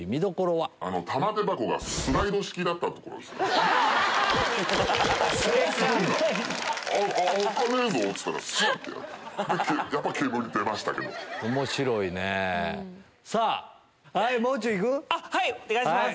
はいお願いします。